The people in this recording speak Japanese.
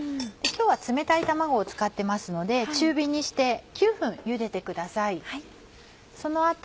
今日は冷たい卵を使ってますので中火にして。